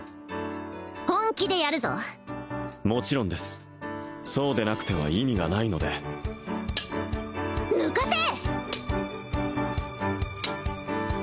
本気でやるぞもちろんですそうでなくては意味がないのでぬかせ！